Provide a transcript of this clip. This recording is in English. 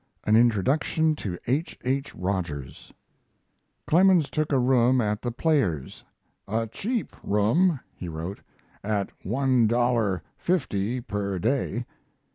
AN INTRODUCTION TO H. H. ROGERS Clemens took a room at The Players "a cheap room," he wrote, "at $1.50 per day."